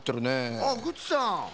あっグッチさん。